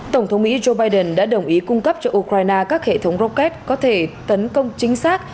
tổng thống mỹ joe biden đã đồng ý cung cấp cho ukraine các hệ thống rocket có thể tấn công chính xác